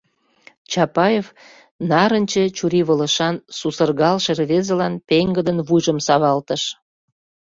Чапаев нарынче чурийвылышан сусыргалше рвезылан пеҥгыдын вуйжым савалтыш.